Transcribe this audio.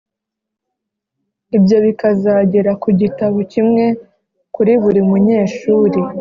ibyo bikazagera ku gitabo kimwe kuri buri munyeshuli